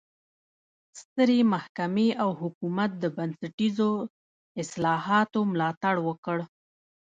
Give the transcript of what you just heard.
سترې محکمې او حکومت د بنسټیزو اصلاحاتو ملاتړ وکړ.